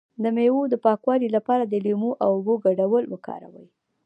د میوو د پاکوالي لپاره د لیمو او اوبو ګډول وکاروئ